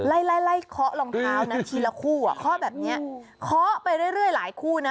ไล่ไล่เคาะรองเท้านะทีละคู่อ่ะเคาะแบบเนี้ยเคาะไปเรื่อยหลายคู่นะ